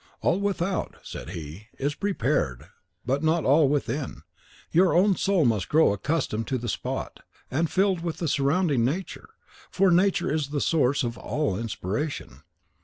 "All without," said he, "is prepared, but not all within; your own soul must grow accustomed to the spot, and filled with the surrounding nature; for Nature is the source of all inspiration."